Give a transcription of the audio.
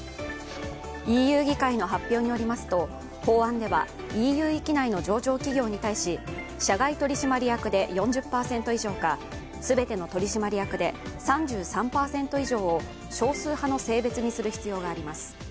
ＥＵ議会の発表によりますと法案では、ＥＵ域内の上場企業に対し社外取締役で４０％以上か、全ての取締役で３３％以上を少数派の性別にする必要があります。